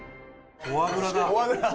フォアグラだ。